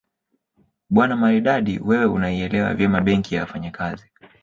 Bwana Maridadi wewe unaielewa vyema Benki ya Wafanyakazi